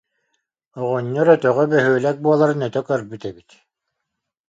Оҕонньор өтөҕө бөһүөлэк буоларын өтө көрбүт эбит